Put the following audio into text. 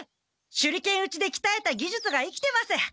手裏剣打ちできたえたぎじゅつが生きてます！